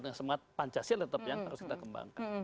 dengan semangat pancasila tetap yang harus kita kembangkan